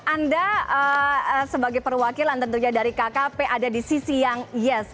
anda sebagai perwakilan tentunya dari kkp ada di sisi yang yes